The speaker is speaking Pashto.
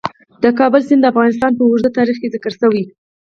د کابل سیند د افغانستان په اوږده تاریخ کې ذکر شوی.